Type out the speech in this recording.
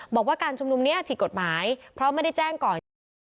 บอกว่าการชุมนุมนี้ผิดกฎหมายเพราะไม่ได้แจ้งก่อเหตุ